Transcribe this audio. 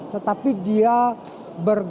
tetapi dia bergabung